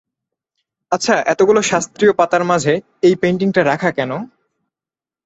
আচ্ছা, এতগুলো শাস্ত্রীয় পাতার মাঝে এই পেইন্টিংটা রাখা কেন?